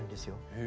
へえ。